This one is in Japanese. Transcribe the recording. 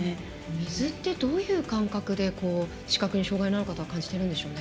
水ってどういう感覚で視覚に障がいのある方は感じているんでしょうね？